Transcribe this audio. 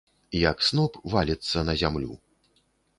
Як сноп валіцца на зямлю.